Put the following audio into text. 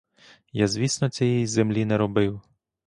Я, звісно, цієї землі не робив.